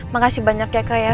makasih banyak ya kak ya